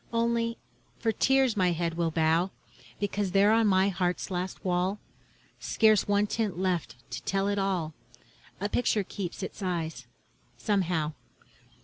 Only, for tears my head will bow, Because there on my heart's last wall, Scarce one tint left to tell it all, A picture keeps its eyes, somehow.